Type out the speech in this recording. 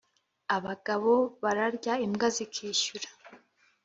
Abagabo bararya imbwa zikishyura.